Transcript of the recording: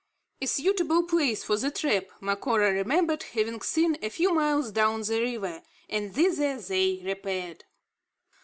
A suitable place for the trap, Macora remembered having seen, a few miles down the river; and thither they repaired.